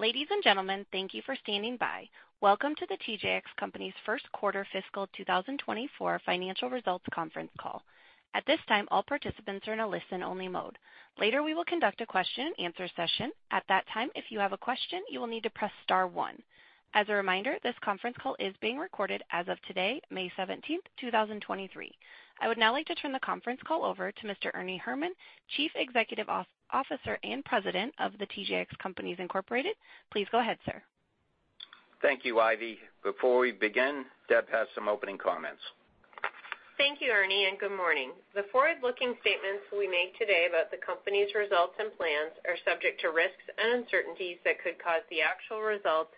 Ladies and gentlemen, thank you for standing by. Welcome to the TJX Companies First Quarter Fiscal 2024 Financial Results Conference Call. At this time, all participants are in a listen-only mode. Later, we will conduct a question and answer session. At that time, if you have a question, you will need to press star one. As a reminder, this conference call is being recorded as of today, May 17th, 2023. I would now like to turn the conference call over to Mr. Ernie Herrman, Chief Executive Officer and President of The TJX Companies Incorporated. Please go ahead, sir. Thank you, Ivy. Before we begin, Deb has some opening comments. Thank you, Ernie Herrman, good morning. The forward-looking statements we make today about the company's results and plans are subject to risks and uncertainties that could cause the actual results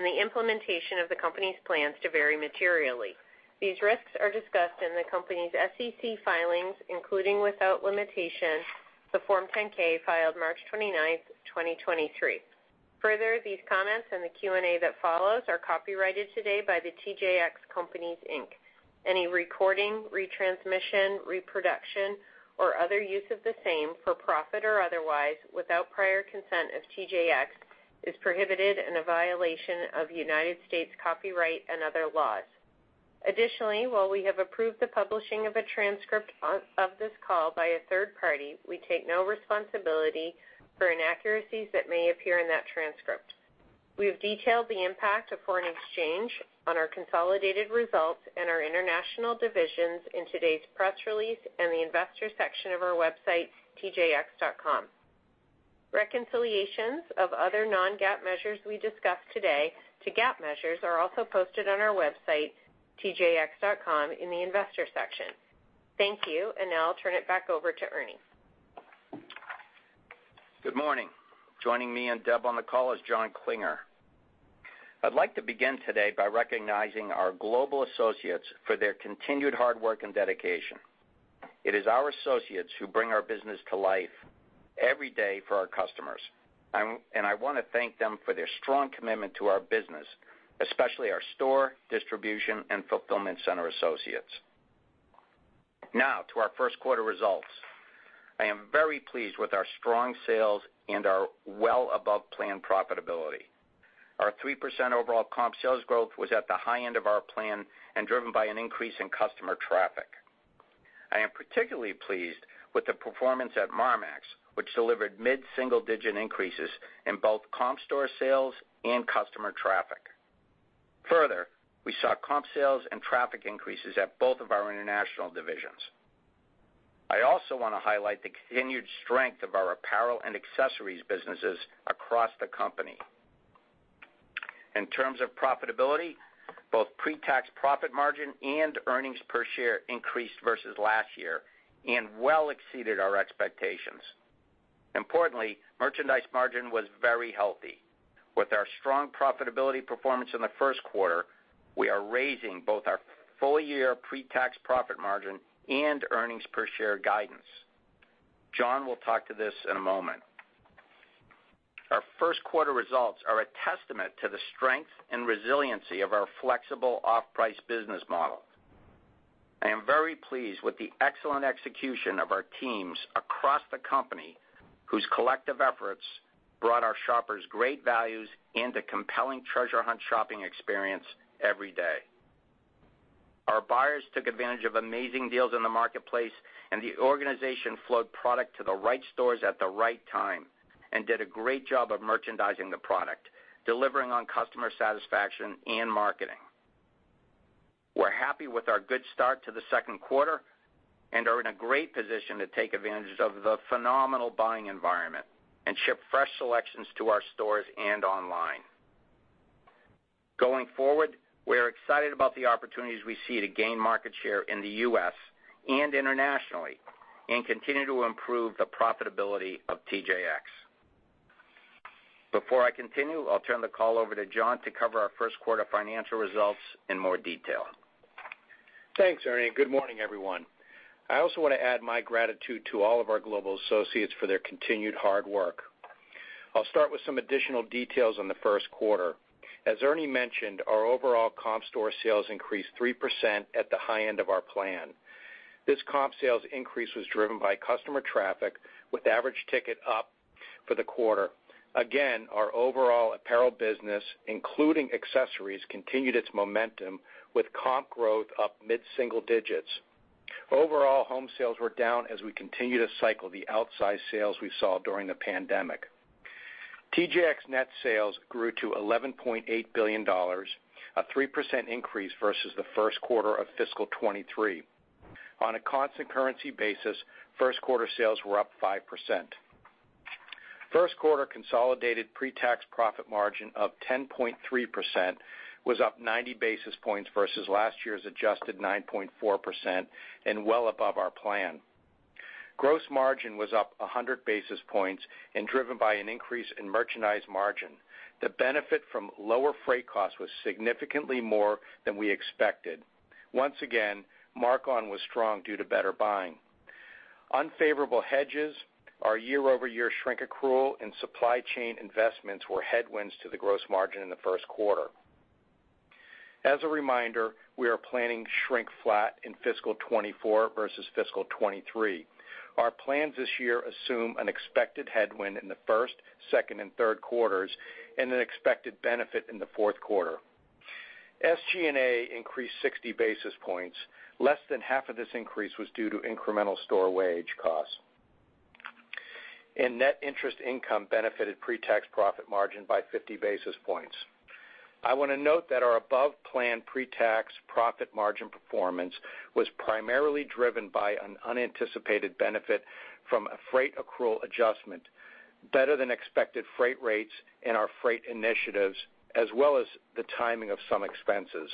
and the implementation of the company's plans to vary materially. These risks are discussed in the company's SEC filings, including, without limitation, the Form 10-K filed March 29th, 2023. These comments and the Q&A that follows are copyrighted today by the TJX Companies Inc. Any recording, retransmission, reproduction, or other use of the same, for profit or otherwise, without prior consent of TJX, is prohibited and a violation of United States copyright and other laws. While we have approved the publishing of a transcript of this call by a third party, we take no responsibility for inaccuracies that may appear in that transcript. We have detailed the impact of foreign exchange on our consolidated results and our international divisions in today's press release in the investor section of our website, tjx.com. Reconciliations of other non-GAAP measures we discuss today to GAAP measures are also posted on our website, tjx.com, in the Investor section. Thank you. Now I'll turn it back over to Ernie. Good morning. Joining me and Deb on the call is John Klinger. I'd like to begin today by recognizing our global associates for their continued hard work and dedication. It is our associates who bring our business to life every day for our customers, and I wanna thank them for their strong commitment to our business, especially our store, distribution, and fulfillment center associates. To our first quarter results. I am very pleased with our strong sales and our well above plan profitability. Our 3% overall comp sales growth was at the high end of our plan and driven by an increase in customer traffic. I am particularly pleased with the performance at Marmaxx, which delivered mid-single-digit increases in both comp store sales and customer traffic. We saw comp sales and traffic increases at both of our international divisions. I also wanna highlight the continued strength of our apparel and accessories businesses across the company. In terms of profitability, both pre-tax profit margin and earnings per share increased versus last year and well exceeded our expectations. Importantly, merchandise margin was very healthy. With our strong profitability performance in the first quarter, we are raising both our full-year pre-tax profit margin and earnings per share guidance. John will talk to this in a moment. Our first quarter results are a testament to the strength and resiliency of our flexible off-price business model. I am very pleased with the excellent execution of our teams across the company, whose collective efforts brought our shoppers great values and a compelling treasure hunt shopping experience every day. Our buyers took advantage of amazing deals in the marketplace. The organization flowed product to the right stores at the right time and did a great job of merchandising the product, delivering on customer satisfaction and marketing. We're happy with our good start to the second quarter and are in a great position to take advantage of the phenomenal buying environment and ship fresh selections to our stores and online. Going forward, we are excited about the opportunities we see to gain market share in the U.S. and internationally and continue to improve the profitability of TJX. Before I continue, I'll turn the call over to John to cover our first quarter financial results in more detail. Thanks, Ernie. Good morning, everyone. I also want to add my gratitude to all of our global associates for their continued hard work. I'll start with some additional details on the first quarter. As Ernie mentioned, our overall comp store sales increased 3% at the high end of our plan. This comp sales increase was driven by customer traffic with average ticket up for the quarter. Again, our overall apparel business, including accessories, continued its momentum with comp growth up mid-single digits. Overall, home sales were down as we continue to cycle the outsized sales we saw during the pandemic. TJX net sales grew to $11.8 billion, a 3% increase versus the first quarter of fiscal 2023. On a constant currency basis, first quarter sales were up 5%. First quarter consolidated pre-tax profit margin of 10.3% was up 90 basis points versus last year's adjusted 9.4% and well above our plan. Gross margin was up 100 basis points and driven by an increase in merchandise margin. The benefit from lower freight costs was significantly more than we expected. Once again, mark-on was strong due to better buying. Unfavorable hedges, our year-over-year shrink accrual, and supply chain investments were headwinds to the gross margin in the first quarter. As a reminder, we are planning to shrink flat in fiscal 2024 versus fiscal 2023. Our plans this year assume an expected headwind in the first, second, and third quarters and an expected benefit in the fourth quarter. SG&A increased 60 basis points. Less than half of this increase was due to incremental store wage costs. Net interest income benefited pre-tax profit margin by 50 basis points. I wanna note that our above plan pre-tax profit margin performance was primarily driven by an unanticipated benefit from a freight accrual adjustment, better than expected freight rates and our freight initiatives, as well as the timing of some expenses.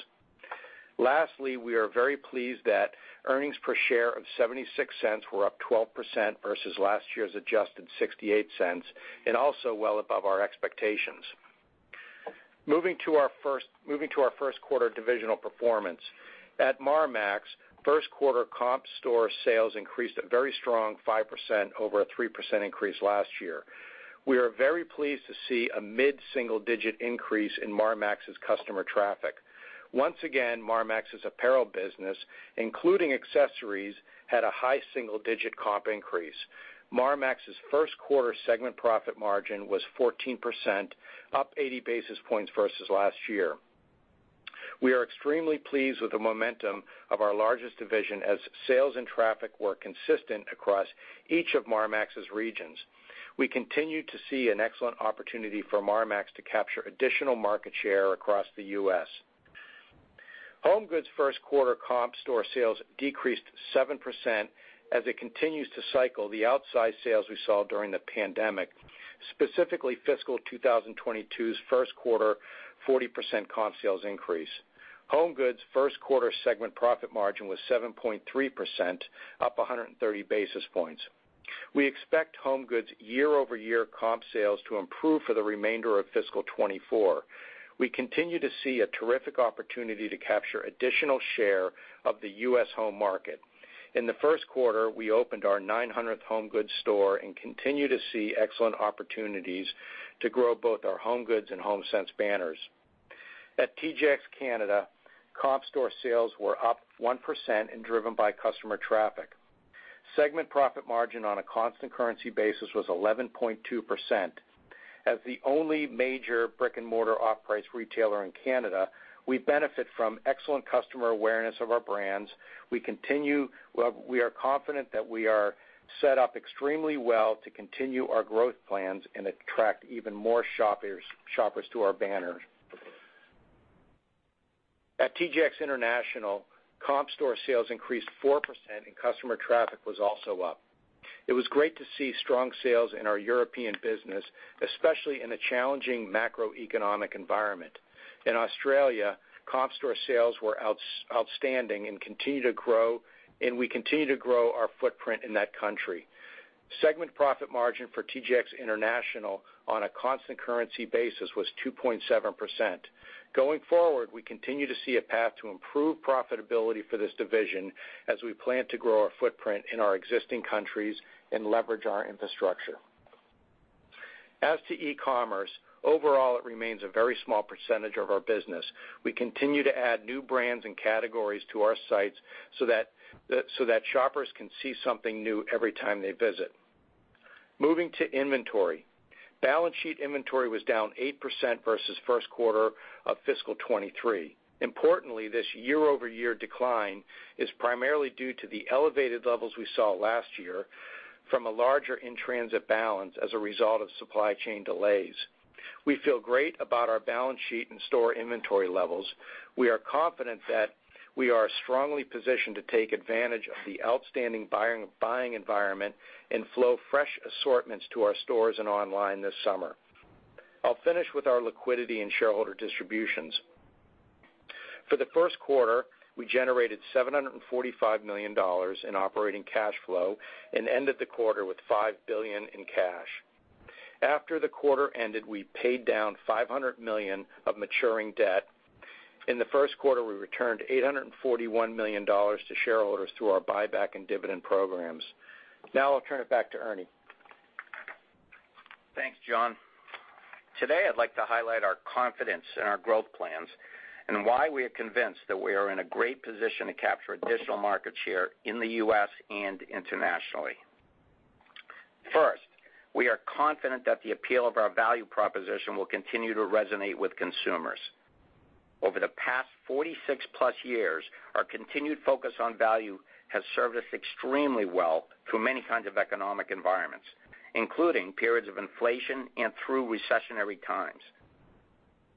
Lastly, we are very pleased that earnings per share of $0.76 were up 12% versus last year's adjusted $0.68 and also well above our expectations. Moving to our first quarter divisional performance. At Marmaxx, first quarter comp store sales increased a very strong 5% over a 3% increase last year. We are very pleased to see a mid-single-digit increase in Marmaxx's customer traffic. Once again, Marmaxx's apparel business, including accessories, had a high single-digit comp increase. Marmaxx's first quarter segment profit margin was 14%, up 80 basis points versus last year. We are extremely pleased with the momentum of our largest division as sales and traffic were consistent across each of Marmaxx's regions. We continue to see an excellent opportunity for Marmaxx to capture additional market share across the U.S. HomeGoods first quarter comp store sales decreased 7% as it continues to cycle the outsized sales we saw during the pandemic, specifically fiscal 2022's first quarter 40% comp sales increase. HomeGoods' first quarter segment profit margin was 7.3%, up 130 basis points. We expect HomeGoods year-over-year comp sales to improve for the remainder of fiscal 2024. We continue to see a terrific opportunity to capture additional share of the U.S. home market. In the first quarter, we opened our 900th HomeGoods store and continue to see excellent opportunities to grow both our HomeGoods and Homesense banners. At TJX Canada, comp store sales were up 1% and driven by customer traffic. Segment profit margin on a constant currency basis was 11.2%. As the only major brick-and-mortar off-price retailer in Canada, we benefit from excellent customer awareness of our brands. We are confident that we are set up extremely well to continue our growth plans and attract even more shoppers to our banners. At TJX International, comp store sales increased 4% and customer traffic was also up. It was great to see strong sales in our European business, especially in a challenging macroeconomic environment. In Australia, comp store sales were outstanding and continue to grow, and we continue to grow our footprint in that country. Segment profit margin for TJX International on a constant currency basis was 2.7%. Going forward, we continue to see a path to improve profitability for this division as we plan to grow our footprint in our existing countries and leverage our infrastructure. As to e-commerce, overall, it remains a very small percentage of our business. We continue to add new brands and categories to our sites so that shoppers can see something new every time they visit. Moving to inventory. Balance sheet inventory was down 8% versus first quarter of fiscal 2023. Importantly, this year-over-year decline is primarily due to the elevated levels we saw last year from a larger in-transit balance as a result of supply chain delays. We feel great about our balance sheet and store inventory levels. We are confident that we are strongly positioned to take advantage of the outstanding buying environment and flow fresh assortments to our stores and online this summer. I'll finish with our liquidity and shareholder distributions. For the first quarter, we generated $745 million in operating cash flow and ended the quarter with $5 billion in cash. After the quarter ended, we paid down $500 million of maturing debt. In the first quarter, we returned $841 million to shareholders through our buyback and dividend programs. Now I'll turn it back to Ernie. Thanks, John. Today, I'd like to highlight our confidence in our growth plans and why we are convinced that we are in a great position to capture additional market share in the U.S. and internationally. First, we are confident that the appeal of our value proposition will continue to resonate with consumers. Over the past 46+ years, our continued focus on value has served us extremely well through many kinds of economic environments, including periods of inflation and through recessionary times.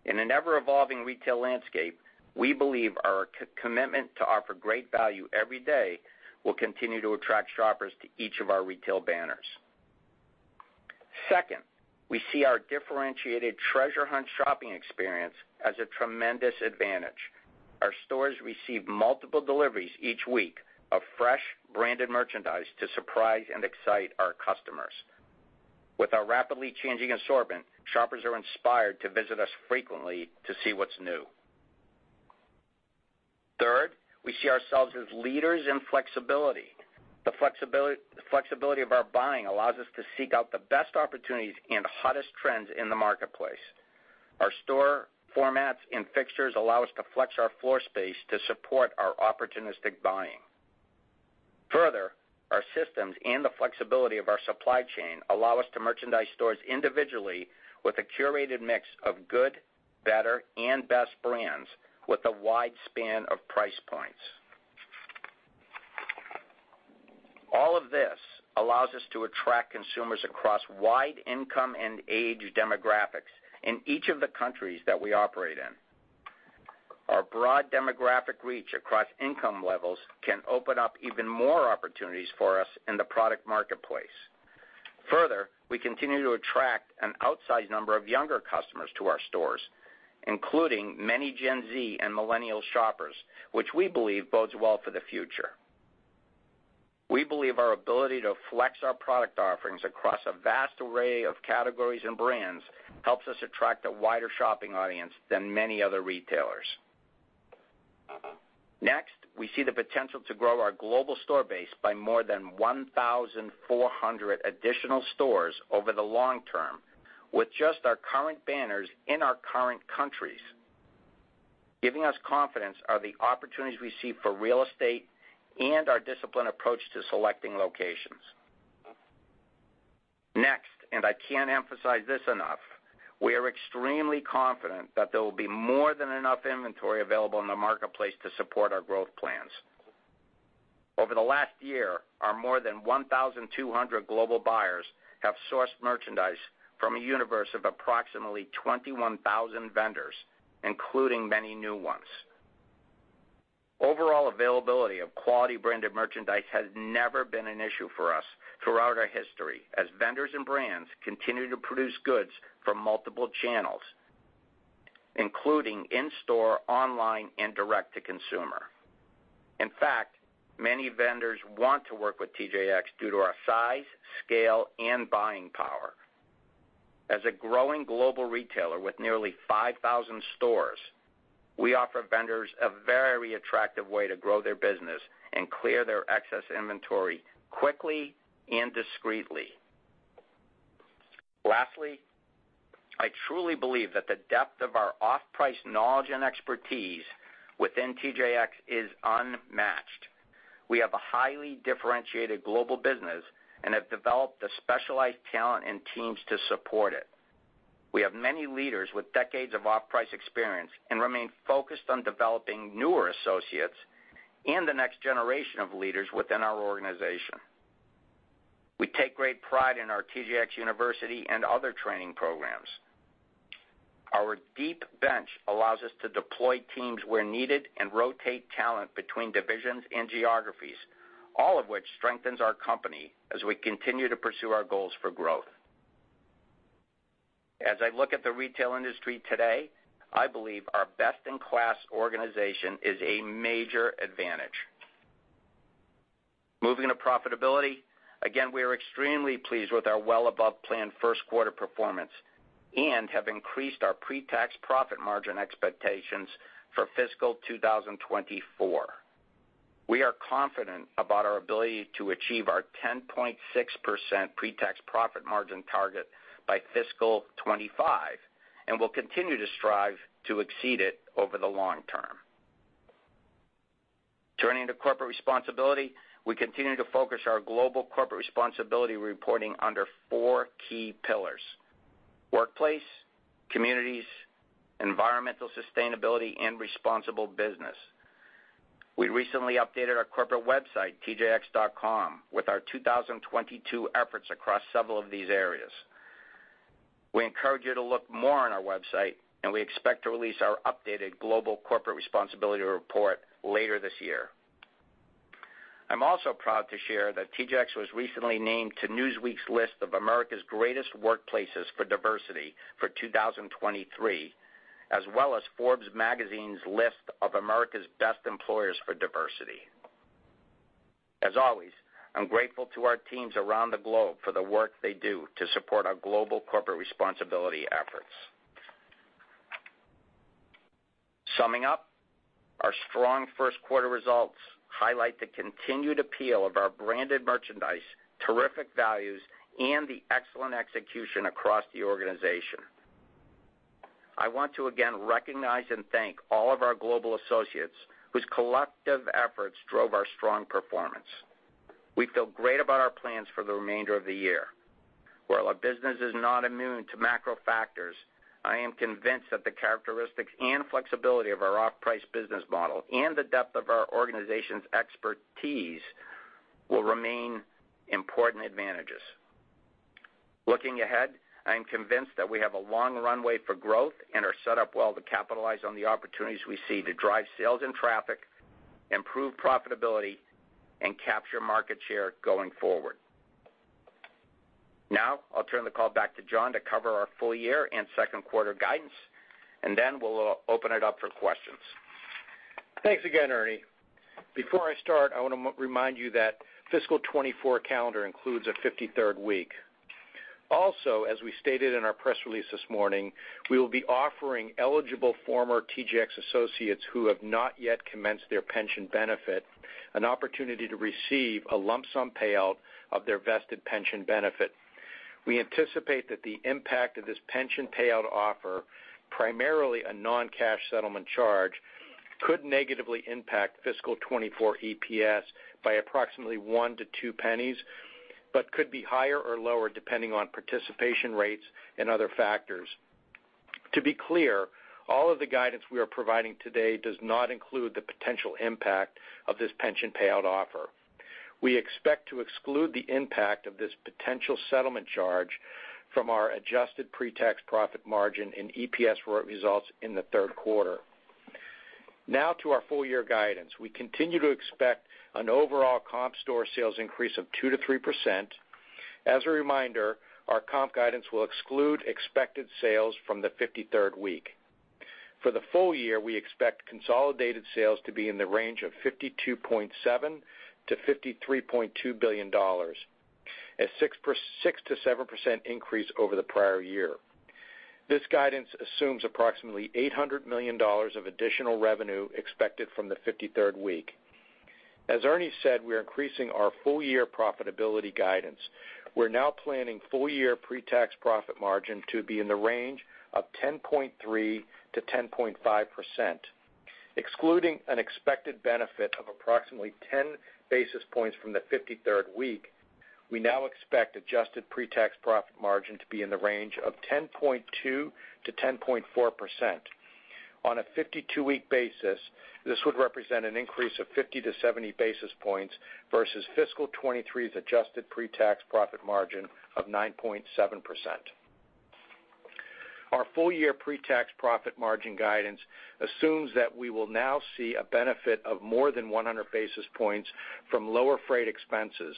In an ever-evolving retail landscape, we believe our commitment to offer great value every day will continue to attract shoppers to each of our retail banners. Second, we see our differentiated treasure hunt shopping experience as a tremendous advantage. Our stores receive multiple deliveries each week of fresh branded merchandise to surprise and excite our customers. With our rapidly changing assortment, shoppers are inspired to visit us frequently to see what's new. Third, we see ourselves as leaders in flexibility. The flexibility of our buying allows us to seek out the best opportunities and hottest trends in the marketplace. Our store formats and fixtures allow us to flex our floor space to support our opportunistic buying. Further, our systems and the flexibility of our supply chain allow us to merchandise stores individually with a curated mix of good, better, and best brands with a wide span of price points. All of this allows us to attract consumers across wide income and age demographics in each of the countries that we operate in. Our broad demographic reach across income levels can open up even more opportunities for us in the product marketplace. Further, we continue to attract an outsized number of younger customers to our stores, including many Gen Z and millennial shoppers, which we believe bodes well for the future. We believe our ability to flex our product offerings across a vast array of categories and brands helps us attract a wider shopping audience than many other retailers. Next, we see the potential to grow our global store base by more than 1,400 additional stores over the long term with just our current banners in our current countries. Giving us confidence are the opportunities we see for real estate and our disciplined approach to selecting locations. Next, I can't emphasize this enough, we are extremely confident that there will be more than enough inventory available in the marketplace to support our growth plans. Over the last year, our more than 1,200 global buyers have sourced merchandise from a universe of approximately 21,000 vendors, including many new ones. Overall availability of quality branded merchandise has never been an issue for us throughout our history, as vendors and brands continue to produce goods from multiple channels, including in-store, online, and direct-to-consumer. In fact, many vendors want to work with TJX due to our size, scale, and buying power. As a growing global retailer with nearly 5,000 stores, we offer vendors a very attractive way to grow their business and clear their excess inventory quickly and discreetly. Lastly, I truly believe that the depth of our off-price knowledge and expertise within TJX is unmatched. We have a highly differentiated global business and have developed the specialized talent and teams to support it. We have many leaders with decades of off-price experience and remain focused on developing newer associates and the next generation of leaders within our organization. We take great pride in our TJX University and other training programs. Our deep bench allows us to deploy teams where needed and rotate talent between divisions and geographies, all of which strengthens our company as we continue to pursue our goals for growth. As I look at the retail industry today, I believe our best-in-class organization is a major advantage. Moving to profitability, again, we are extremely pleased with our well above plan first quarter performance and have increased our pre-tax profit margin expectations for fiscal 2024. We are confident about our ability to achieve our 10.6% pre-tax profit margin target by fiscal 2025 and will continue to strive to exceed it over the long term. Turning to corporate responsibility, we continue to focus our global corporate responsibility reporting under four key pillars: workplace, communities, environmental sustainability, and responsible business. We recently updated our corporate website, tjx.com, with our 2022 efforts across several of these areas. We encourage you to look more on our website, and we expect to release our updated global corporate responsibility report later this year. I'm also proud to share that TJX was recently named to Newsweek's list of America's Greatest Workplaces for Diversity for 2023, as well as Forbes magazine's list of America's Best Employers for Diversity. As always, I'm grateful to our teams around the globe for the work they do to support our global corporate responsibility efforts. Summing up, our strong first quarter results highlight the continued appeal of our branded merchandise, terrific values, and the excellent execution across the organization. I want to again recognize and thank all of our global associates whose collective efforts drove our strong performance. We feel great about our plans for the remainder of the year. While our business is not immune to macro factors, I am convinced that the characteristics and flexibility of our off-price business model and the depth of our organization's expertise will remain important advantages. Looking ahead, I am convinced that we have a long runway for growth and are set up well to capitalize on the opportunities we see to drive sales and traffic, improve profitability, and capture market share going forward. Now, I'll turn the call back to John to cover our full year and second quarter guidance, and then we'll open it up for questions. Thanks again, Ernie. Before I start, I wanna remind you that fiscal 2024 calendar includes a 53rd week. As we stated in our press release this morning, we will be offering eligible former TJX associates who have not yet commenced their pension benefit, an opportunity to receive a lump sum payout of their vested pension benefit. We anticipate that the impact of this pension payout offer, primarily a non-cash settlement charge, could negatively impact fiscal 2024 EPS by approximately $0.01-$0.02, but could be higher or lower, depending on participation rates and other factors. To be clear, all of the guidance we are providing today does not include the potential impact of this pension payout offer. We expect to exclude the impact of this potential settlement charge from our adjusted pre-tax profit margin in EPS results in the third quarter. To our full year guidance. We continue to expect an overall comp store sales increase of 2%-3%. As a reminder, our comp guidance will exclude expected sales from the 53rd week. For the full year, we expect consolidated sales to be in the range of $52.7 billion-$53.2 billion, a 6%-7% increase over the prior year. This guidance assumes approximately $800 million of additional revenue expected from the 53rd week. As Ernie said, we are increasing our full year profitability guidance. We're now planning full-year pre-tax profit margin to be in the range of 10.3%-10.5%. Excluding an expected benefit of approximately 10 basis points from the 53rd week, we now expect adjusted pre-tax profit margin to be in the range of 10.2%-10.4%. On a 52-week basis, this would represent an increase of 50-70 basis points versus fiscal 2023's adjusted pre-tax profit margin of 9.7%. Our full-year pre-tax profit margin guidance assumes that we will now see a benefit of more than 100 basis points from lower freight expenses.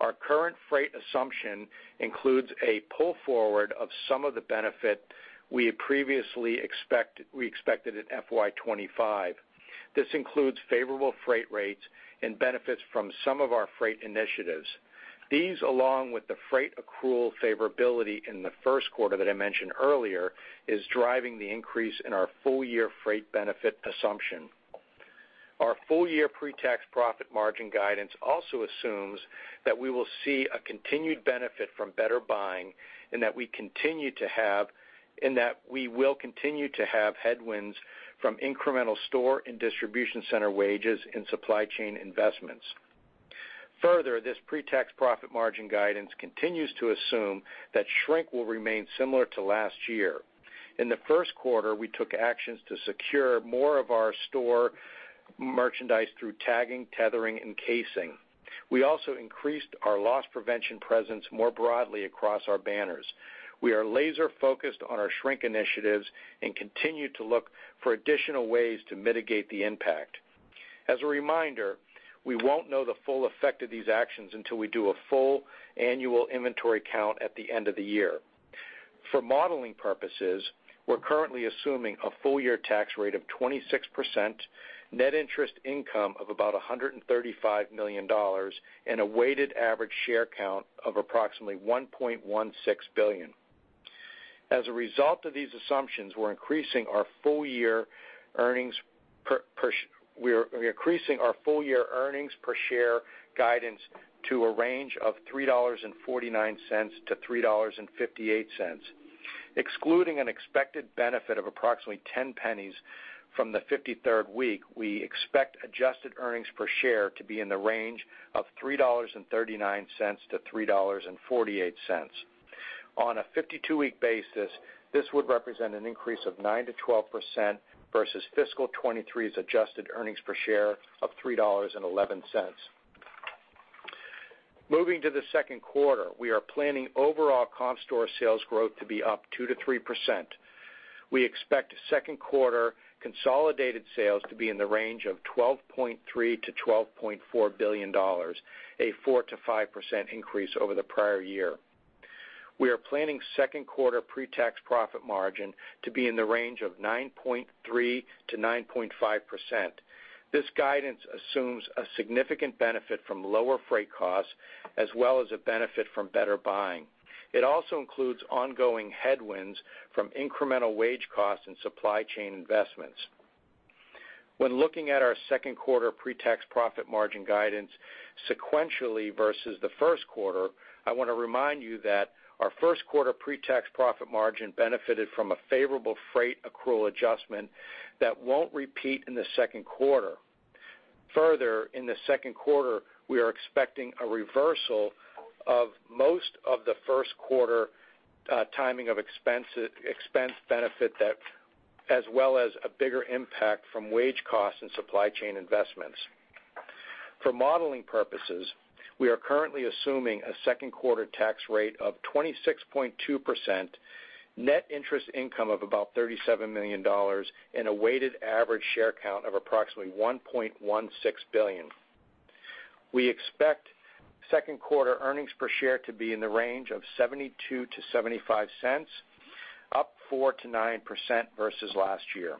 Our current freight assumption includes a pull forward of some of the benefit we had previously expected in FY 2025. This includes favorable freight rates and benefits from some of our freight initiatives. These, along with the freight accrual favorability in the first quarter that I mentioned earlier, is driving the increase in our full-year freight benefit assumption. Our full-year pre-tax profit margin guidance also assumes that we will see a continued benefit from better buying and that we will continue to have headwinds from incremental store and distribution center wages and supply chain investments. This pre-tax profit margin guidance continues to assume that shrink will remain similar to last year. In the first quarter, we took actions to secure more of our store merchandise through tagging, tethering, and casing. We also increased our loss prevention presence more broadly across our banners. We are laser-focused on our shrink initiatives and continue to look for additional ways to mitigate the impact. As a reminder, we won't know the full effect of these actions until we do a full annual inventory count at the end of the year. For modeling purposes, we're currently assuming a full year tax rate of 26%, net interest income of about $135 million, and a weighted average share count of approximately 1.16 billion. As a result of these assumptions, we're increasing our full year earnings per share guidance to a range of $3.49-$3.58. Excluding an expected benefit of approximately $0.10 from the 53rd week, we expect adjusted earnings per share to be in the range of $3.39-$3.48. On a 52-week basis, this would represent an increase of 9%-12% versus fiscal 2023's adjusted earnings per share of $3.11. Moving to the second quarter, we are planning overall comp store sales growth to be up 2%-3%. We expect second quarter consolidated sales to be in the range of $12.3 billion-$12.4 billion, a 4%-5% increase over the prior year. We are planning second quarter pre-tax profit margin to be in the range of 9.3%-9.5%. This guidance assumes a significant benefit from lower freight costs as well as a benefit from better buying. It also includes ongoing headwinds from incremental wage costs and supply chain investments. When looking at our second quarter pre-tax profit margin guidance sequentially versus the first quarter, I wanna remind you that our first quarter pre-tax profit margin benefited from a favorable freight accrual adjustment that won't repeat in the second quarter. In the second quarter, we are expecting a reversal of most of the first quarter timing of expense benefit as well as a bigger impact from wage costs and supply chain investments. For modeling purposes, we are currently assuming a second quarter tax rate of 26.2%, net interest income of about $37 million, and a weighted average share count of approximately 1.16 billion. We expect second quarter earnings per share to be in the range of $0.72-$0.75, up 4%-9% versus last year.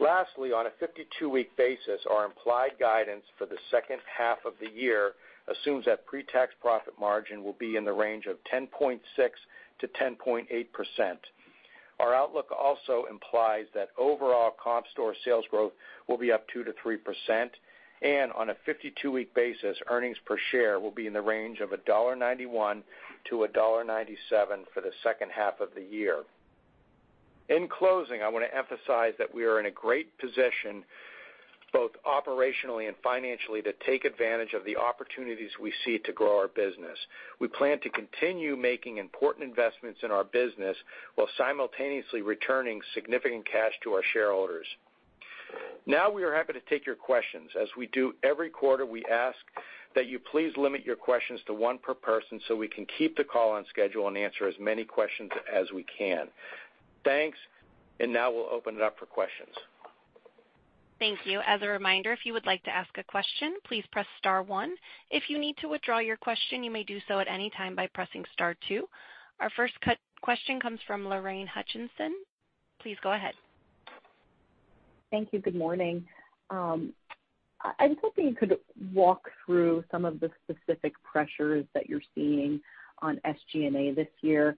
On a 52-week basis, our implied guidance for the second half of the year assumes that pre-tax profit margin will be in the range of 10.6%-10.8%. Our outlook also implies that overall comp store sales growth will be up 2%-3%, and on a 52-week basis, earnings per share will be in the range of $1.91-$1.97 for the second half of the year. In closing, I wanna emphasize that we are in a great position, both operationally and financially, to take advantage of the opportunities we see to grow our business. We plan to continue making important investments in our business while simultaneously returning significant cash to our shareholders. Now, we are happy to take your questions. As we do every quarter, we ask that you please limit your questions to one per person so we can keep the call on schedule and answer as many questions as we can. Thanks. Now we'll open it up for questions. Thank you. As a reminder, if you would like to ask a question, please press star one. If you need to withdraw your question, you may do so at any time by pressing star two. Our first question comes from Lorraine Hutchinson. Please go ahead. Thank you. Good morning. I was hoping you could walk through some of the specific pressures that you're seeing on SG&A this year?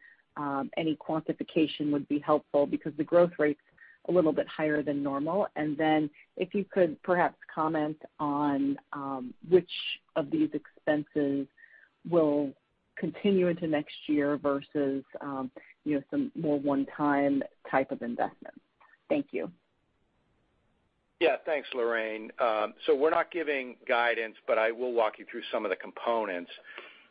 Any quantification would be helpful because the growth rate's a little bit higher than normal. If you could perhaps comment on which of these expenses will continue into next year versus, you know, some more one-time type of investment? Thank you. Thanks, Lorraine. We're not giving guidance, but I will walk you through some of the components.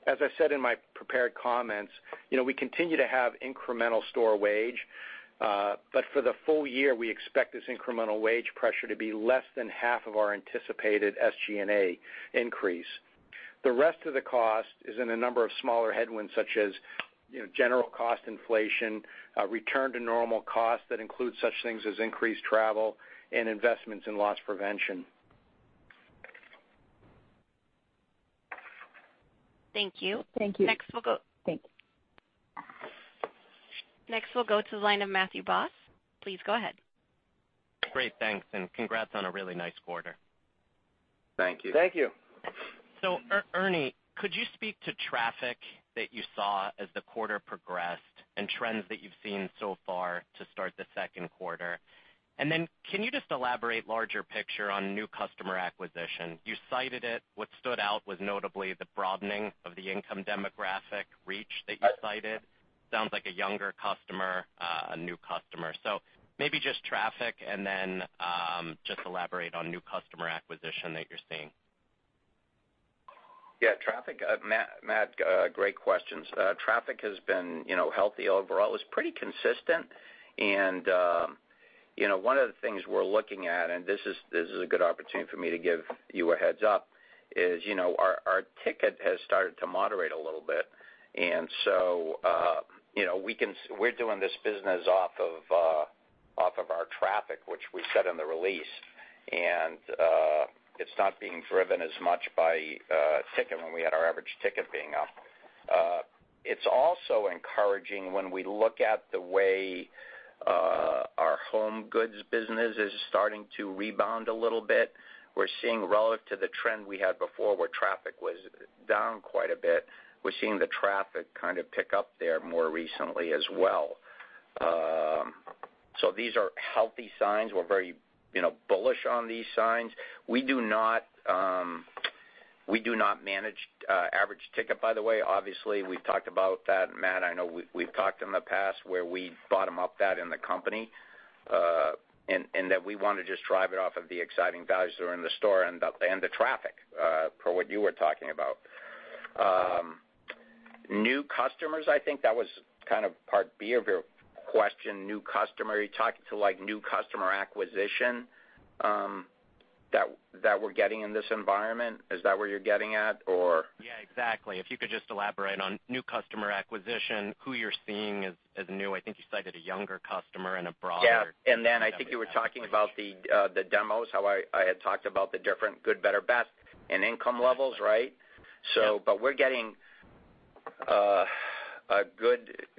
As I said in my prepared comments, you know, we continue to have incremental store wage, but for the full year, we expect this incremental wage pressure to be less than half of our anticipated SG&A increase. The rest of the cost is in a number of smaller headwinds, such as, you know, general cost inflation, return to normal costs that include such things as increased travel and investments in loss prevention. Thank you. Thank you. Next, we'll Thanks. Next, we'll go to the line of Matthew Boss. Please go ahead. Great. Thanks, and congrats on a really nice quarter. Thank you. Thank you. Ernie, could you speak to traffic that you saw as the quarter progressed and trends that you've seen so far to start the second quarter? Can you just elaborate larger picture on new customer acquisition? You cited it. What stood out was notably the broadening of the income demographic reach that you cited. Sounds like a younger customer, a new customer. Maybe just traffic, and then, just elaborate on new customer acquisition that you're seeing. Yeah, traffic. Matt, great questions. Traffic has been, you know, healthy overall. It's pretty consistent. You know, one of the things we're looking at, and this is a good opportunity for me to give you a heads up, is, you know, our ticket has started to moderate a little bit. You know, we're doing this business off of our traffic, which we said in the release. It's not being driven as much by ticket when we had our average ticket being up. It's also encouraging when we look at the way our HomeGoods business is starting to rebound a little bit. We're seeing relative to the trend we had before, where traffic was down quite a bit. We're seeing the traffic kind of pick up there more recently as well. These are healthy signs. We're very, you know, bullish on these signs. We do not manage average ticket, by the way. Obviously, we've talked about that, Matt. I know we've talked in the past where we bottom up that in the company and that we wanna just drive it off of the exciting values that are in the store and the traffic for what you were talking about. New customers, I think that was kind of part B of your question, new customer. Are you talking to, like, new customer acquisition that we're getting in this environment? Is that where you're getting at, or? Yeah, exactly. If you could just elaborate on new customer acquisition, who you're seeing as new. I think you cited a younger customer and a broader- Yeah. I think you were talking about the demos, how I had talked about the different good, better, best and income levels, right? Yeah. We're getting a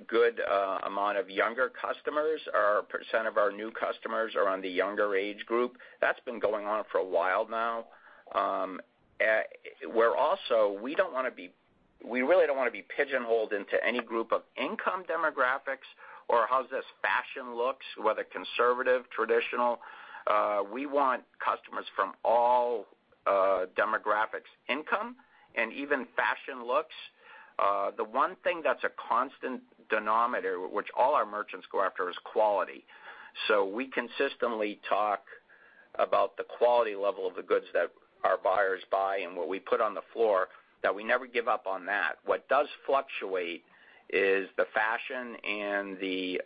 good amount of younger customers. Our percent of our new customers are on the younger age group. That's been going on for a while now. We really don't wanna be pigeonholed into any group of income demographics or how's this fashion looks, whether conservative, traditional. We want customers from all demographics, income, and even fashion looks. The one thing that's a constant denominator, which all our merchants go after, is quality. We consistently talk about the quality level of the goods that our buyers buy and what we put on the floor, that we never give up on that. What does fluctuate is the fashion and the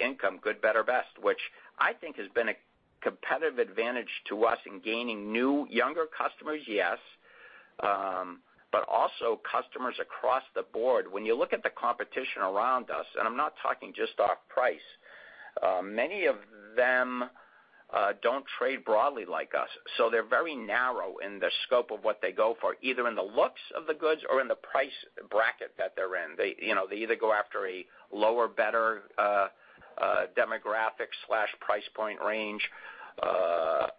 income, good, better, best, which I think has been a competitive advantage to us in gaining new, younger customers, yes. Also customers across the board. When you look at the competition around us, and I'm not talking just off price, many of them don't trade broadly like us, so they're very narrow in the scope of what they go for, either in the looks of the goods or in the price bracket that they're in. They, you know, they either go after a lower, better, demographic slash price point range,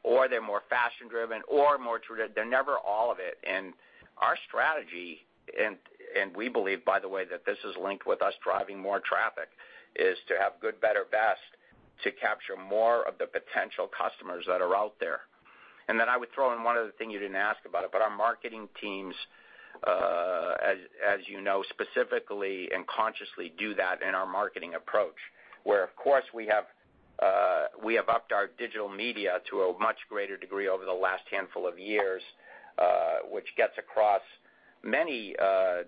or they're more fashion driven or more true. They're never all of it. Our strategy, and we believe, by the way, that this is linked with us driving more traffic, is to have good, better, best to capture more of the potential customers that are out there. Then I would throw in one other thing you didn't ask about it, but our marketing teams, as you know, specifically and consciously do that in our marketing approach, where of course we have upped our digital media to a much greater degree over the last handful of years, which gets across many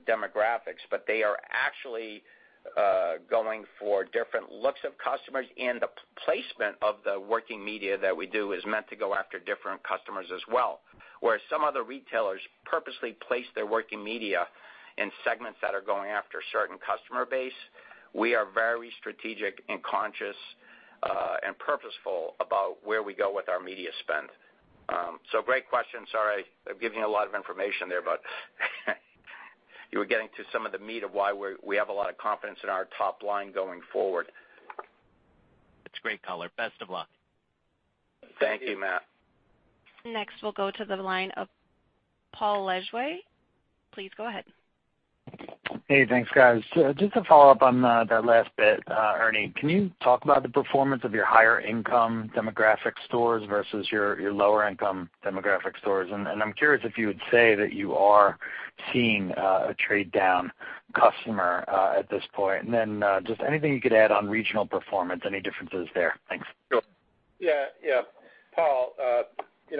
demographics, but they are actually going for different looks of customers. The placement of the working media that we do is meant to go after different customers as well. Whereas some other retailers purposely place their working media in segments that are going after a certain customer base, we are very strategic and conscious, and purposeful about where we go with our media spend. Great question. Sorry, I've given you a lot of information there, but you were getting to some of the meat of why we have a lot of confidence in our top line going forward. It's a great color. Best of luck. Thank you, Matt. Next, we'll go to the line of Paul Lejuez. Please go ahead. Hey, thanks, guys. Just to follow up on that last bit, Ernie, can you talk about the performance of your higher income demographic stores versus your lower income demographic stores? I'm curious if you would say that you are seeing a trade down customer at this point. Just anything you could add on regional performance, any differences there? Thanks. Sure. Yeah, yeah. Paul, you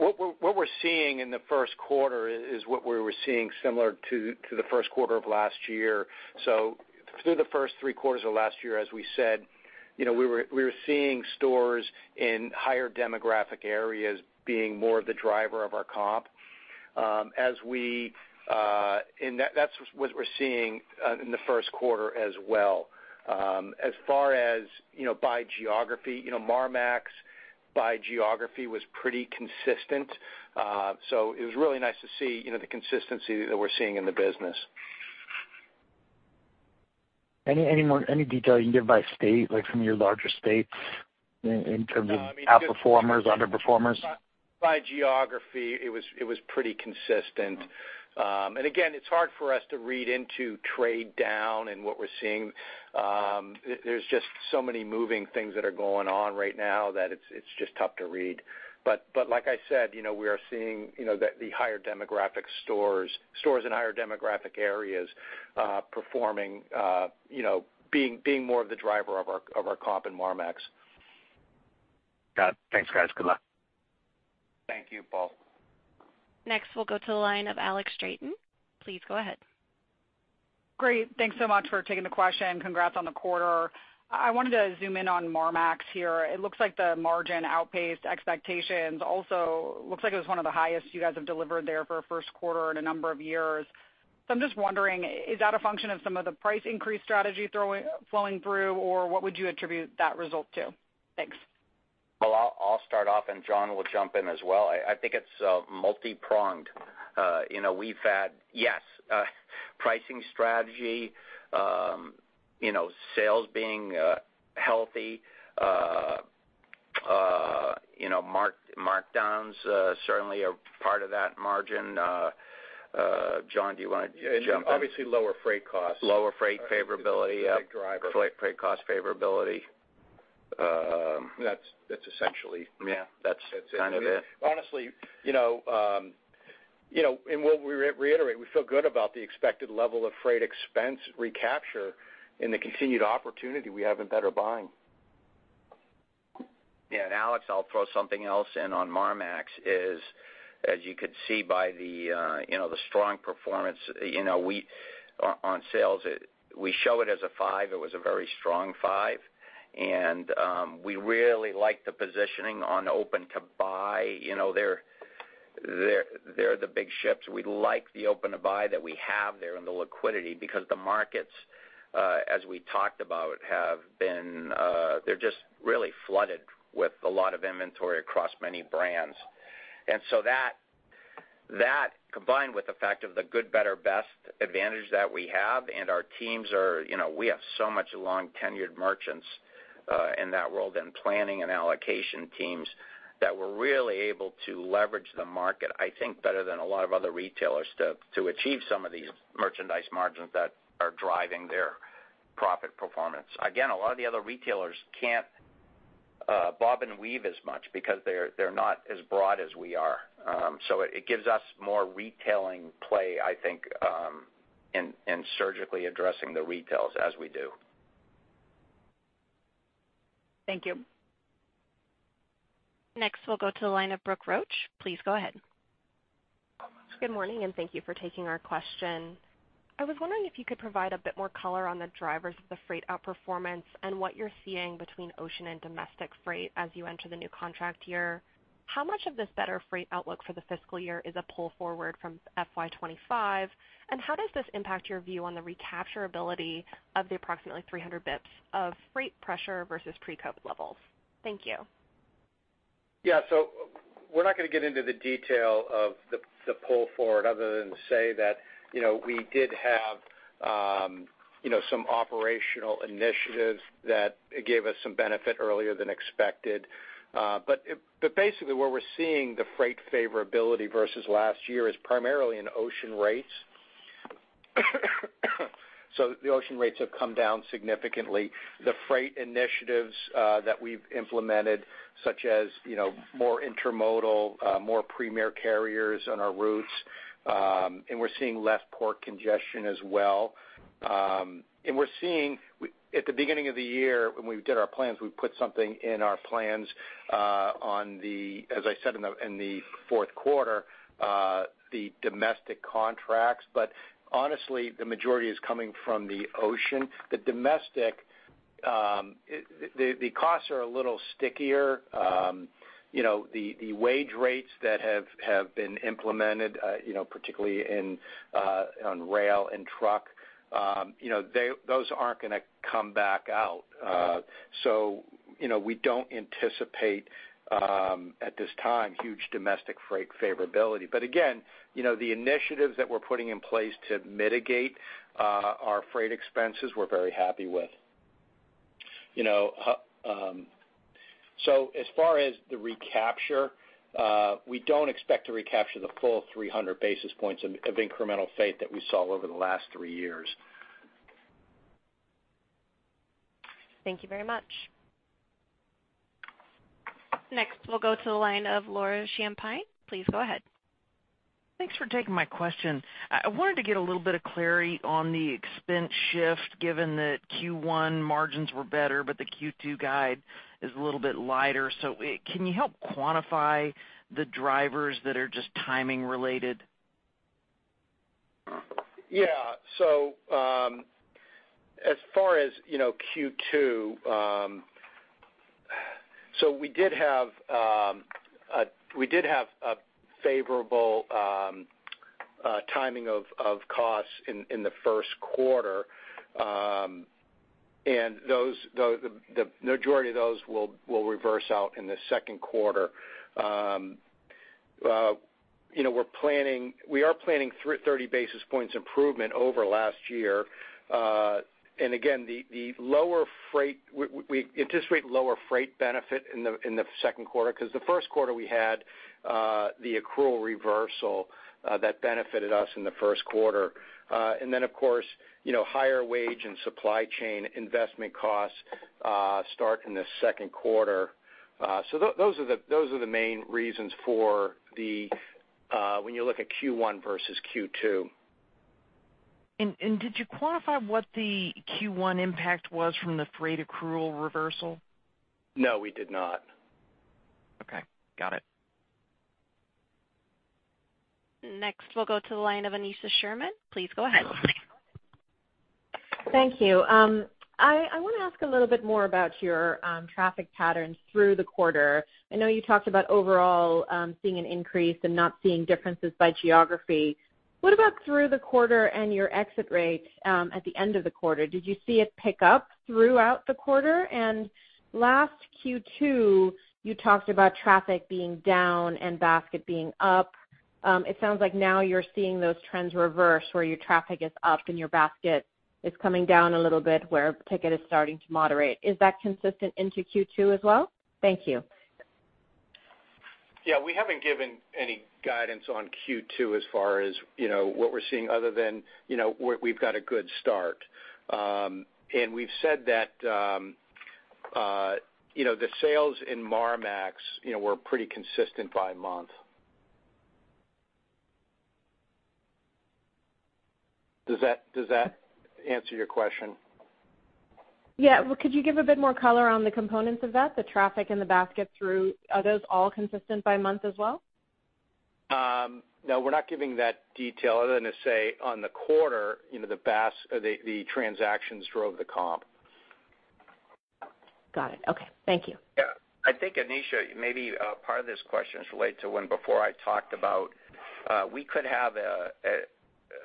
know, what we're seeing in the first quarter is what we were seeing similar to the first quarter of last year. Through the first three quarters of last year, as we said, you know, we were seeing stores in higher demographic areas being more of the driver of our comp. As we, and that's what we're seeing in the first quarter as well. As far as, you know, by geography, you know, Marmaxx by geography was pretty consistent. It was really nice to see, you know, the consistency that we're seeing in the business. Any detail you can give by state, like from your larger states in terms of outperformers, underperformers? By geography, it was pretty consistent. Again, it's hard for us to read into trade down and what we're seeing. There's just so many moving things that are going on right now that it's just tough to read. Like I said, you know, we are seeing, you know, that the higher demographic stores in higher demographic areas, performing, you know, being more of the driver of our comp in Marmaxx. Got it. Thanks, guys. Good luck. Thank you, Paul. Next, we'll go to the line of Alex Straton. Please go ahead. Great. Thanks so much for taking the question. Congrats on the quarter. I wanted to zoom in on Marmaxx here. It looks like the margin outpaced expectations. Also looks like it was one of the highest you guys have delivered there for a first quarter in a number of years. I'm just wondering, is that a function of some of the price increase strategy flowing through, or what would you attribute that result to? Thanks. Well, I'll start off and John will jump in as well. I think it's multipronged. You know, we've had, yes, pricing strategy, you know, sales being healthy, you know, mark-markdowns certainly are part of that margin. John, do you wanna jump in? Obviously lower freight costs. Lower freight favorability. Big driver. Freight cost favorability. That's. Yeah, that's kind of it. Honestly, you know, you know, we'll reiterate, we feel good about the expected level of freight expense recapture and the continued opportunity we have in better buying. Yeah. Alex, I'll throw something else in on Marmaxx is, as you could see by the, you know, the strong performance, you know, on sales, we show it as a 5%. It was a very strong 5%. We really like the positioning on open to buy. You know, they're the big ships. We like the open to buy that we have there and the liquidity because the markets, as we talked about, have been, they're just really flooded with a lot of inventory across many brands. That combined with the fact of the good, better, best advantage that we have and our teams are, you know, we have so much long-tenured merchants in that world and planning and allocation teams that we're really able to leverage the market, I think, better than a lot of other retailers to achieve some of these merchandise margins that are driving their profit performance. Again, a lot of the other retailers can't bob and weave as much because they're not as broad as we are. It gives us more retailing play, I think, in surgically addressing the retails as we do. Thank you. Next, we'll go to the line of Brooke Roach. Please go ahead. Good morning, and thank you for taking our question.I was wondering if you could provide a bit more color on the drivers of the freight outperformance and what you're seeing between ocean and domestic freight as you enter the new contract year. How much of this better freight outlook for the fiscal year is a pull forward from fiscal 2025? How does this impact your view on the recapture ability of the approximately 300 basis points of freight pressure versus pre-COVID levels? Thank you. Yeah. We're not gonna get into the detail of the pull forward other than to say that, you know, we did have, you know, some operational initiatives that gave us some benefit earlier than expected. Basically, where we're seeing the freight favorability versus last year is primarily in ocean rates. The ocean rates have come down significantly. The freight initiatives that we've implemented, such as, you know, more intermodal, more premier carriers on our routes, and we're seeing less port congestion as well. At the beginning of the year when we did our plans, we put something in our plans, on the, as I said in the, in the fourth quarter, the domestic contracts. Honestly, the majority is coming from the ocean. The domestic, the costs are a little stickier. You know, the wage rates that have been implemented, you know, particularly in on rail and truck, you know, they, those aren't gonna come back out. You know, we don't anticipate at this time, huge domestic freight favorability. Again, you know, the initiatives that we're putting in place to mitigate our freight expenses, we're very happy with. You know, as far as the recapture, we don't expect to recapture the full 300 basis points of incremental freight that we saw over the last three years. Thank you very much. We'll go to the line of Laura Champine. Please go ahead. Thanks for taking my question. I wanted to get a little bit of clarity on the expense shift, given that Q1 margins were better, but the Q2 guide is a little bit lighter. Can you help quantify the drivers that are just timing related? As far as, you know, Q2, we did have a favorable timing of costs in the first quarter. The majority of those will reverse out in the second quarter. You know, we are planning 30 basis points improvement over last year. Again, the lower freight we anticipate lower freight benefit in the second quarter because the first quarter we had the accrual reversal that benefited us in the first quarter. Of course, you know, higher wage and supply chain investment costs start in the second quarter. Those are the main reasons for the when you look at Q1 versus Q2. Did you quantify what the Q1 impact was from the freight accrual reversal? No, we did not. Okay, got it. Next, we'll go to the line of Aneesha Sherman. Please go ahead. Thank you. I wanna ask a little bit more about your traffic patterns through the quarter. I know you talked about overall, seeing an increase and not seeing differences by geography. What about through the quarter and your exit rate at the end of the quarter? Did you see it pick up throughout the quarter? Last Q2, you talked about traffic being down and basket being up. It sounds like now you're seeing those trends reverse, where your traffic is up and your basket is coming down a little bit, where ticket is starting to moderate. Is that consistent into Q2 as well? Thank you. Yeah, we haven't given any guidance on Q2 as far as, you know, what we're seeing other than, you know, we've got a good start. We've said that, you know, the sales in Marmaxx, you know, were pretty consistent by month. Does that answer your question? Yeah. Could you give a bit more color on the components of that, the traffic and the basket? Are those all consistent by month as well? No, we're not giving that detail other than to say on the quarter, you know, the transactions drove the comp. Got it. Okay. Thank you. Yeah. I think, Aneesha, maybe, part of this question is related to when before I talked about,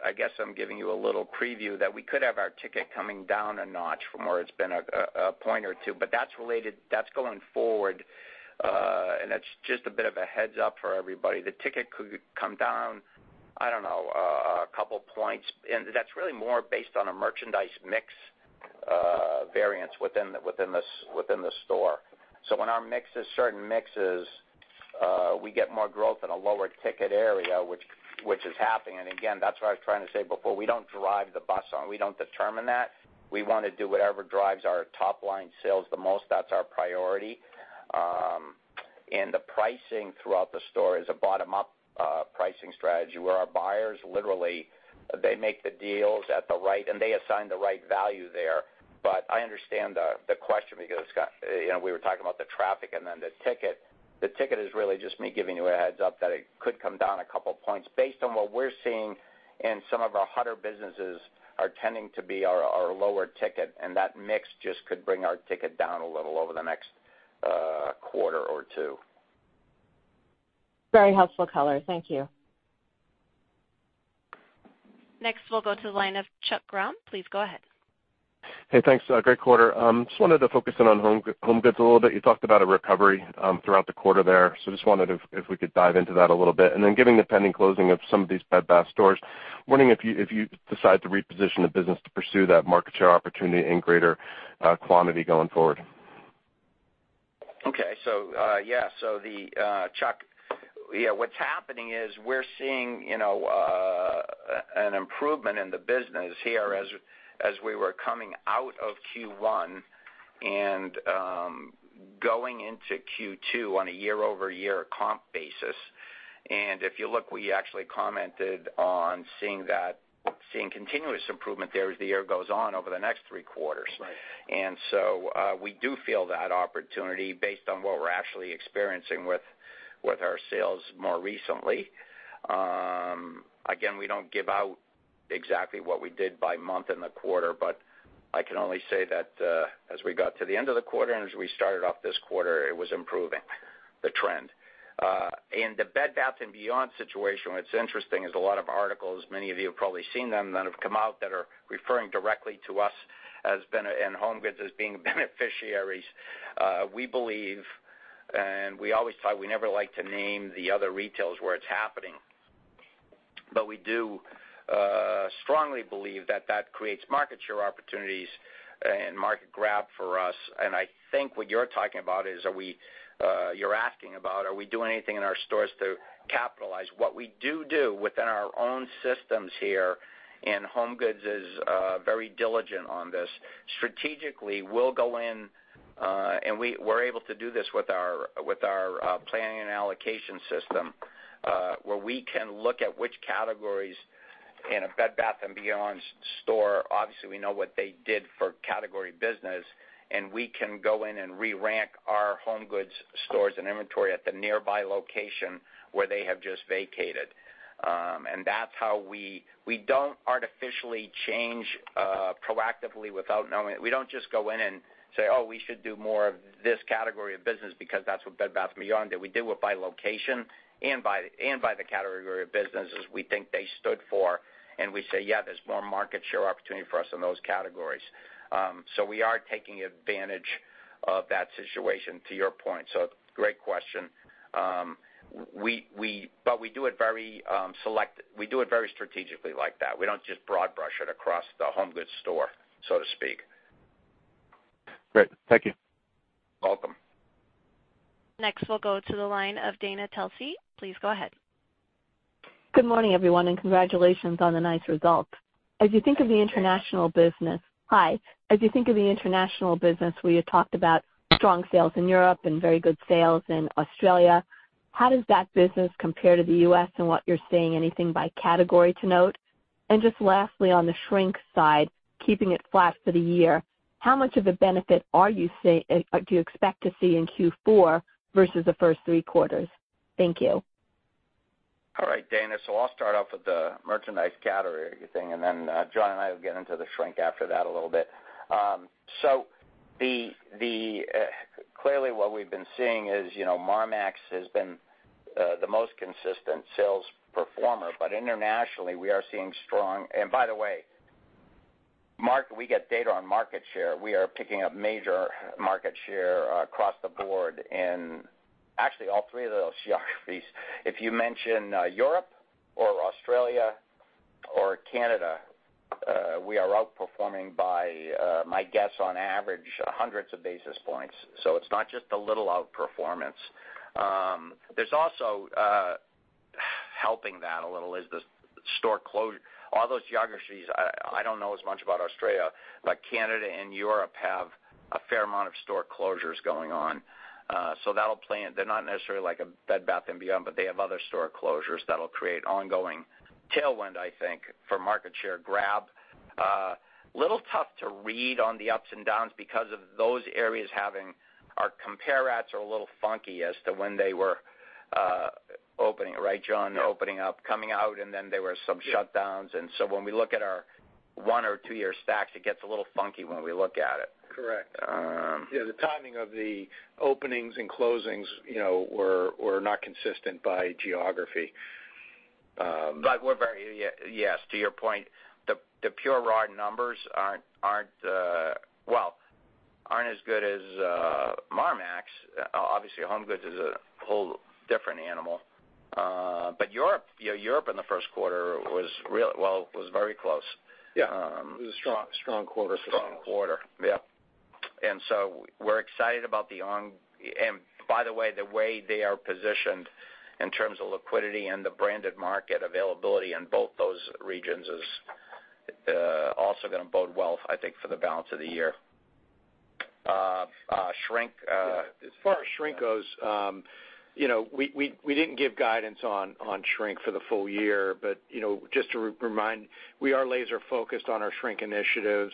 I guess I'm giving you a little preview that we could have our ticket coming down a notch from where it's been a point or two, but that's going forward, and that's just a bit of a heads-up for everybody. The ticket could come down, I don't know, a couple points, and that's really more based on a merchandise mix variance within the, within the store. When our mix is certain mixes, we get more growth in a lower ticket area which is happening. Again, that's what I was trying to say before. We don't drive the bus on. We don't determine that. We wanna do whatever drives our top-line sales the most. That's our priority. The pricing throughout the store is a bottom-up pricing strategy where our buyers literally, they make the deals at the right and they assign the right value there. I understand the question because, you know, we were talking about the traffic and then the ticket. The ticket is really just me giving you a heads up that it could come down a couple of points based on what we're seeing in some of our hotter businesses are tending to be our lower ticket, and that mix just could bring our ticket down a little over the next quarter or two. Very helpful color. Thank you. Next, we'll go to the line of Chuck Grom. Please go ahead. Thanks. Great quarter. Just wanted to focus in on HomeGoods a little bit. You talked about a recovery throughout the quarter there. Just wondered if we could dive into that a little bit. Given the pending closing of some of these Bed Bath stores, wondering if you decide to reposition the business to pursue that market share opportunity in greater quantity going forward. Okay. Yeah. The Chuck, yeah, what's happening is we're seeing, you know, an improvement in the business here as we were coming out of Q1 and going into Q2 on a year-over-year comp basis. If you look, we actually commented on seeing continuous improvement there as the year goes on over the next three quarters. Right. We do feel that opportunity based on what we're actually experiencing with our sales more recently. Again, we don't give out exactly what we did by month in the quarter, but I can only say that as we got to the end of the quarter and as we started off this quarter, it was improving, the trend. The Bed Bath & Beyond situation, what's interesting is a lot of articles, many of you have probably seen them, that have come out that are referring directly to us and HomeGoods as being beneficiaries. We believe, we always talk, we never like to name the other retails where it's happening, but we do strongly believe that that creates market share opportunities and market grab for us. I think what you're talking about is, are we doing anything in our stores to capitalize? What we do within our own systems here, and HomeGoods is very diligent on this, strategically, we'll go in, and we're able to do this with our planning and allocation system, where we can look at which categories in a Bed Bath & Beyond store, obviously, we know what they did for category business, and we can go in and re-rank our HomeGoods stores and inventory at the nearby location where they have just vacated. That's how we don't artificially change proactively without knowing. We don't just go in and say, "Oh, we should do more of this category of business because that's what Bed Bath & Beyond did." We do it by location and by the category of businesses we think they stood for. We say, "Yeah, there's more market share opportunity for us in those categories." We are taking advantage of that situation to your point. Great question. We do it very strategically like that. We don't just broad brush it across the HomeGoods store, so to speak. Great. Thank you. Welcome. Next, we'll go to the line of Dana Telsey. Please go ahead. Good morning, everyone, and congratulations on the nice results. As you think of the international business. Hi. As you think of the international business, where you talked about strong sales in Europe and very good sales in Australia, how does that business compare to the U.S. and what you're seeing anything by category to note? Just lastly, on the shrink side, keeping it flat for the year, how much of a benefit do you expect to see in Q4 versus the first three quarters? Thank you. All right, Dana. I'll start off with the merchandise category thing, and then John and I will get into the shrink after that a little bit. Clearly, what we've been seeing is, you know, Marmaxx has been the most consistent sales performer. Internationally, we are seeing strong. By the way, we get data on market share. We are picking up major market share across the board in actually all three of those geographies. If you mention Europe or Australia or Canada, we are outperforming by my guess, on average, hundreds of basis points. It's not just a little outperformance. There's also helping that a little is the store closure. All those geographies, I don't know as much about Australia, but Canada and Europe have a fair amount of store closures going on. That'll play in. They're not necessarily like a Bed Bath & Beyond, but they have other store closures that'll create ongoing tailwind, I think, for market share grab. Little tough to read on the ups and downs because of those areas having our compares are a little funky as to when they were opening, right, John? Yeah. Opening up, coming out, and then there were some shutdowns. Yeah. When we look at our one or two-year stacks, it gets a little funky when we look at it. Correct. Um- Yeah, the timing of the openings and closings, you know, were not consistent by geography. Yes, to your point, the pure raw numbers aren't, well, aren't as good as Marmaxx. Obviously, HomeGoods is a whole different animal. Europe, yeah, Europe in the first quarter was very close. Yeah. It was a strong quarter for us. Strong quarter. Yeah. By the way, the way they are positioned in terms of liquidity and the branded market availability in both those regions is also gonna bode well, I think, for the balance of the year. shrink. As far as shrink goes, you know, we didn't give guidance on shrink for the full year. You know, just to remind, we are laser focused on our shrink initiatives,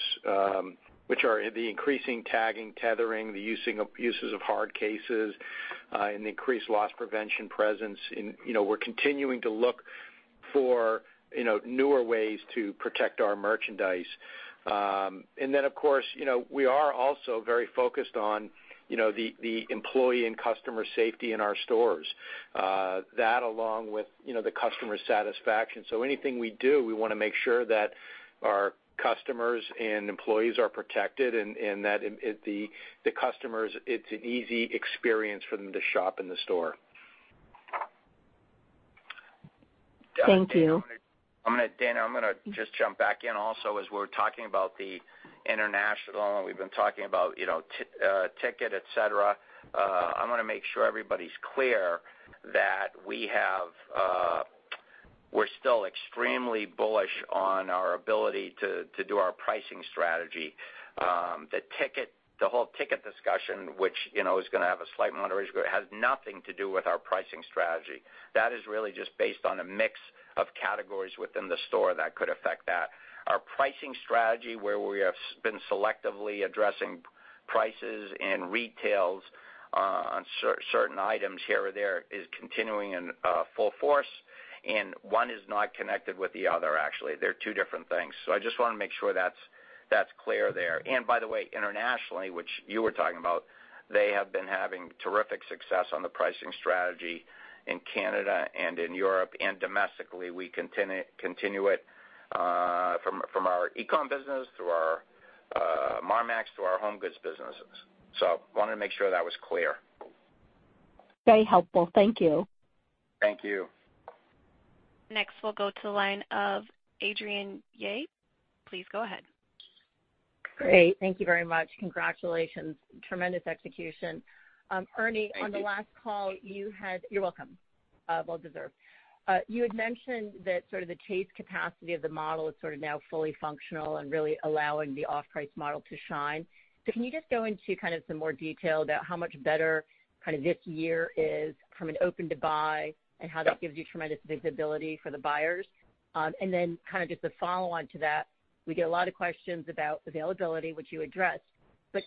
which are the increasing tagging, tethering, the uses of hard cases, and increased loss prevention presence. You know, we're continuing to look for, you know, newer ways to protect our merchandise. Then, of course, you know, we are also very focused on, you know, the employee and customer safety in our stores. That along with, you know, the customer satisfaction. Anything we do, we wanna make sure that our customers and employees are protected and that the customers, it's an easy experience for them to shop in the store. Thank you. Dana, I'm gonna just jump back in also. As we're talking about the international and we've been talking about, you know, ticket, et cetera, I wanna make sure everybody's clear that we're still extremely bullish on our ability to do our pricing strategy. The whole ticket discussion, which you know is gonna have a slight moderation, but it has nothing to do with our pricing strategy. That is really just based on a mix of categories within the store that could affect that. Our pricing strategy, where we have been selectively addressing prices and retails on certain items here or there, is continuing in full force. One is not connected with the other, actually. They're two different things. I just wanna make sure that's clear there. By the way, internationally, which you were talking about, they have been having terrific success on the pricing strategy in Canada and in Europe and domestically. We continue it from our e-com business through our Marmaxx to our HomeGoods businesses. Wanted to make sure that was clear. Very helpful. Thank you. Thank you. Next, we'll go to the line of Adrienne Yih. Please go ahead. Great. Thank you very much. Congratulations. Tremendous execution. Ernie Herrman, on the last call, Thank you. You're welcome. Well deserved. You had mentioned that sort of the chase capacity of the model is sort of now fully functional and really allowing the off-price model to shine. Can you just go into kind of some more detail about how much better kind of this year is from an open-to-buy and how that gives you tremendous visibility for the buyers? And then kind of just a follow on to that, we get a lot of questions about availability, which you addressed.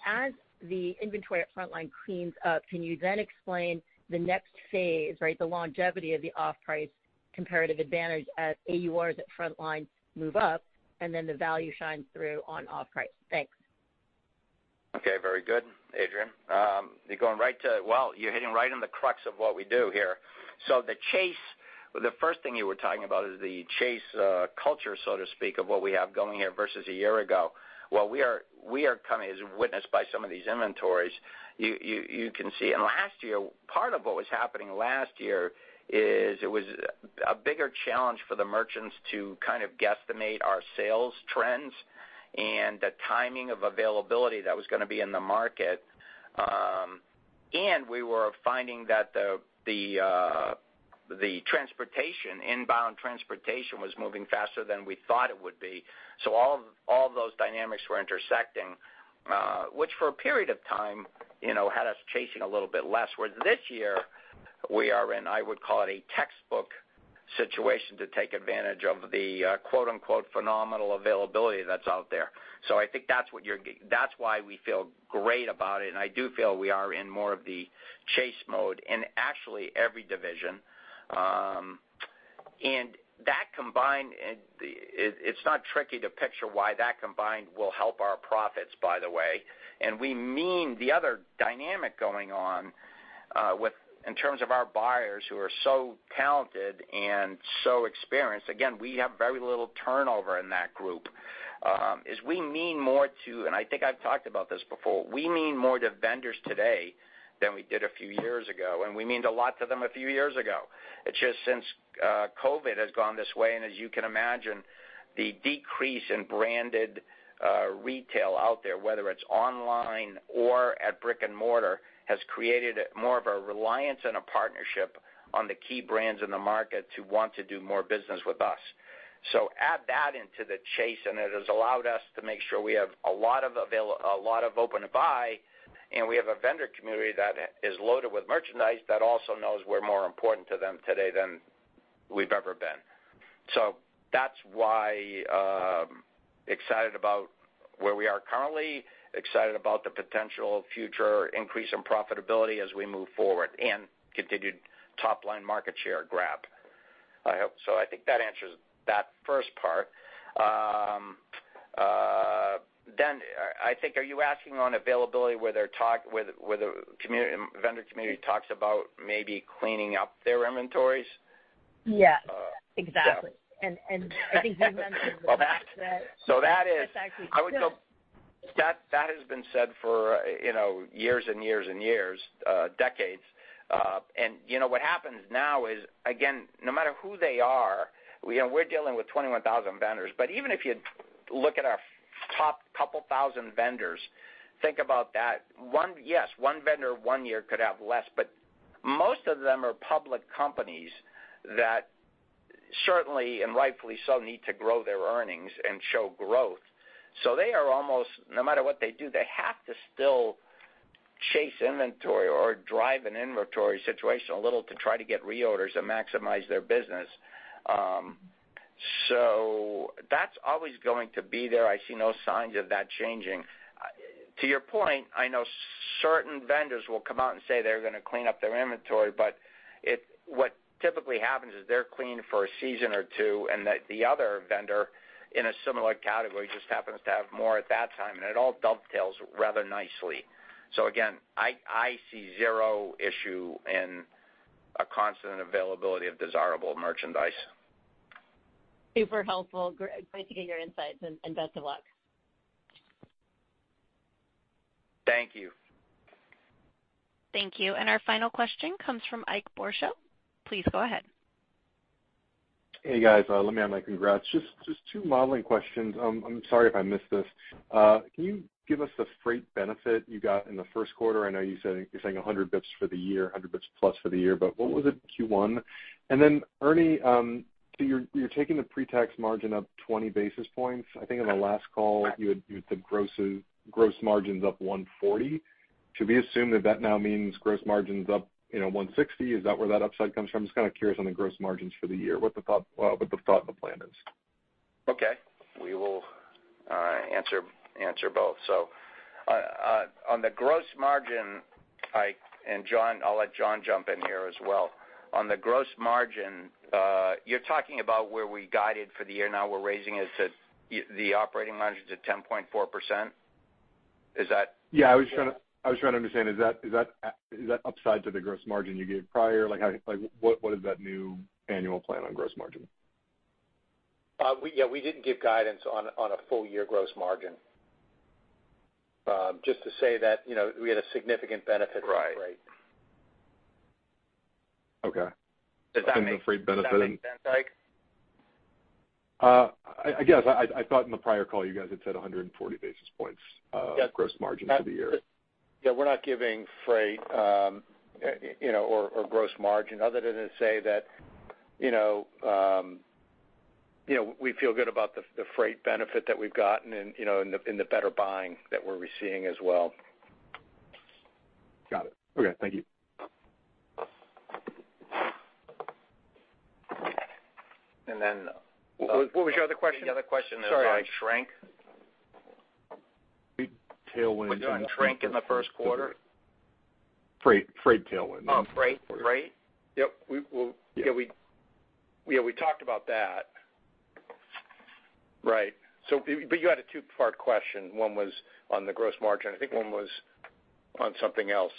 As the inventory at frontline cleans up, can you then explain the next phase, right, the longevity of the off-price comparative advantage as AURs at frontline move up, and then the value shines through on off-price? Thanks. Okay. Very good, Adrienne. you're hitting right in the crux of what we do here. The first thing you were talking about is the chase culture, so to speak, of what we have going here versus a year ago, while we are coming as witnessed by some of these inventories, you can see. Part of what was happening last year is it was a bigger challenge for the merchants to kind of guesstimate our sales trends and the timing of availability that was gonna be in the market. We were finding that the transportation, inbound transportation was moving faster than we thought it would be. All those dynamics were intersecting, which for a period of time, you know, had us chasing a little bit less. Where this year, we are in, I would call it a textbook situation to take advantage of the, quote-unquote, "phenomenal availability" that's out there. I think that's why we feel great about it. I do feel we are in more of the chase mode in actually every division. That combined, it's not tricky to picture why that combined will help our profits, by the way. We mean the other dynamic going on, with in terms of our buyers who are so talented and so experienced, again, we have very little turnover in that group, is we mean more to... I think I've talked about this before. We mean more to vendors today than we did a few years ago, and we mean a lot to them a few years ago. It's just since COVID has gone this way, as you can imagine, the decrease in branded retail out there, whether it's online or at brick and mortar, has created more of a reliance and a partnership on the key brands in the market to want to do more business with us. Add that into the chase, it has allowed us to make sure we have a lot of open-to-buy, we have a vendor community that is loaded with merchandise that also knows we're more important to them today than we've ever been. That's why, excited about where we are currently, excited about the potential future increase in profitability as we move forward and continued top-line market share grab. I hope so. I think that answers that first part. I think are you asking on availability where the vendor community talks about maybe cleaning up their inventories? Yes, exactly. Yeah. I think you've mentioned that. Well, that is... That's actually... That has been said for, you know, years and years and years, decades. You know what happens now is, again, no matter who they are, you know, we're dealing with 21,000 vendors. Even if you look at our top couple thousand vendors, think about that. Yes, one vendor one year could have less. Most of them are public companies that certainly, and rightfully so, need to grow their earnings and show growth. They are almost, no matter what they do, they have to still chase inventory or drive an inventory situation a little to try to get reorders and maximize their business. That's always going to be there. I see no signs of that changing. To your point, I know certain vendors will come out and say they're gonna clean up their inventory, but what typically happens is they're clean for a season or two, and the other vendor in a similar category just happens to have more at that time, and it all dovetails rather nicely. Again, I see zero issue in a constant availability of desirable merchandise. Super helpful. Great to get your insights and best of luck. Thank you. Thank you. Our final question comes from Ike Boruchow. Please go ahead. Hey, guys. Let me add my congrats. Just two modeling questions. I'm sorry if I missed this. Can you give us the freight benefit you got in the first quarter? I know you're saying 100 basis points for the year, 100+ basis points for the year, what was it Q1? Ernie, so you're taking the pre-tax margin up 20 basis points. I think on the last call, you had the gross margins up 140. Should we assume that that now means gross margins up, you know, 160? Is that where that upside comes from? Just kinda curious on the gross margins for the year, what the thought and the plan is. We will answer both. On the gross margin, Ike Boruchow, and John Klinger, I'll let John Klinger jump in here as well. On the gross margin, you're talking about where we guided for the year. Now we're raising it to the operating margins of 10.4%. Yeah, I was trying to understand, is that upside to the gross margin you gave prior? Like what is that new annual plan on gross margin? We, yeah, we didn't give guidance on a full year gross margin. Just to say that, you know, we had a significant benefit from freight. Right. Okay. Does that make sense, Ike? I guess. I thought in the prior call, you guys had said 140 basis points of gross margin for the year. Yeah, we're not giving freight, you know, or gross margin other than to say that, you know, we feel good about the freight benefit that we've gotten and, you know, and the better buying that we're receiving as well. Got it. Okay. Thank you. And then, uh- What was your other question? The other question is like shrink. Tailwind. Was there any shrink in the first quarter? Freight tailwind. Oh, freight? Yep. Yeah, we talked about that. Right. You had a two-part question. One was on the gross margin. I think one was on something else.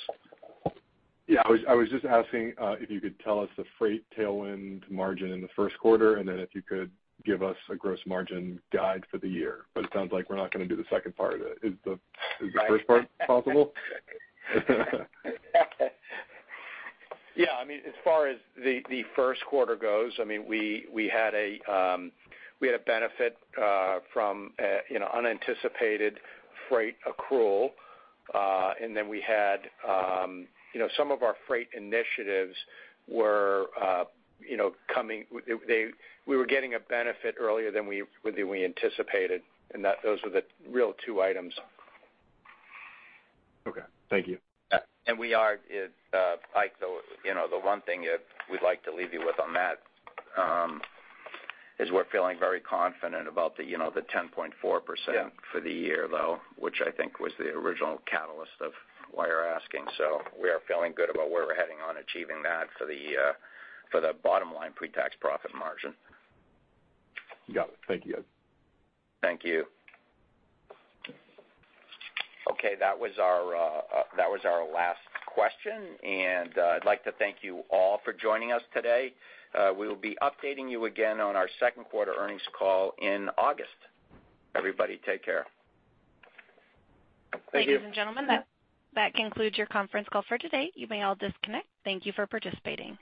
Yeah, I was just asking, if you could tell us the freight tailwind margin in the first quarter, and then if you could give us a gross margin guide for the year? It sounds like we're not gonna do the second part of it. Is the first part possible? Yeah. I mean, as far as the first quarter goes, I mean, we had a benefit from, you know, unanticipated freight accrual. Then we had, you know, some of our freight initiatives were, you know, we were getting a benefit earlier than we anticipated. Those are the real two items. Okay. Thank you. We are, Ike, though, you know, the one thing that we'd like to leave you with on that, is we're feeling very confident about the, you know, the 10.4% for the year, though, which I think was the original catalyst of why you're asking. We are feeling good about where we're heading on achieving that for the, for the bottom line pre-tax profit margin. Got it. Thank you. Thank you. Okay. That was our last question. I'd like to thank you all for joining us today. We'll be updating you again on our second quarter earnings call in August. Everybody, take care. Thank you. Ladies and gentlemen, that concludes your conference call for today. You may all disconnect. Thank you for participating.